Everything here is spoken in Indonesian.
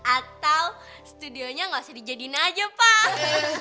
atau studionya gak usah dijadiin aja pak